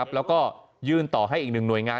แล้วก็ยื่นต่อให้อีกหนึ่งหน่วยงาน